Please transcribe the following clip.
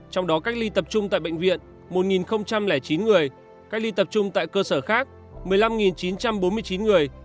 trong đó cách ly tập trung tại bệnh viện một chín người cách ly tập trung tại cơ sở khác một mươi năm chín trăm bốn mươi chín người